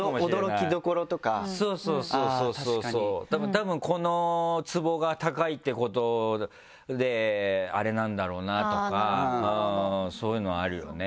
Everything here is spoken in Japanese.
たぶんこの壺が高いってことであれなんだろうなとかそういうのはあるよね。